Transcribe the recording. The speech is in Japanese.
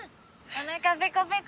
「おなかペコペコ！」